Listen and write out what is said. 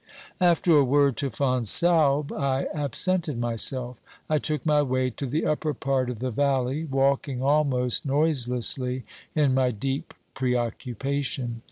After a word to Fonsalbe, I absented myself. I took my way to the upper part of the valley, walking almost noise lessly in my deep preoccupation.